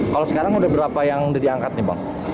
kalau sekarang sudah berapa yang sudah diangkat nih bang